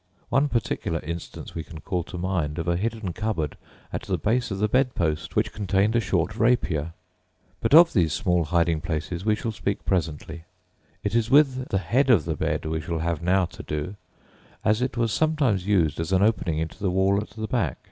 One particular instance we can call to mind of a hidden cupboard at the base of the bedpost which contained a short rapier. But of these small hiding places we shall speak presently. It is with the head of the bed we have now to do, as it was sometimes used as an opening into the wall at the back.